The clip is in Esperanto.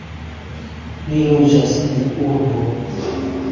Ni loĝas en urbo.